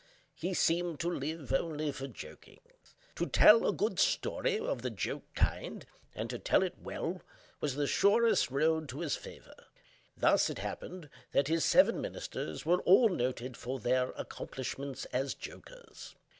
He seemed to live only for joking. To tell a good story of the joke kind, and to tell it well, was the surest road to his favor. Thus it happened that his seven ministers were all noted for their accomplishments as jokers.